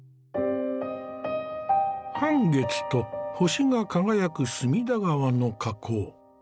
半月と星が輝く隅田川の河口。